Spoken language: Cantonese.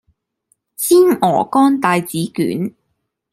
煎鵝肝帶子卷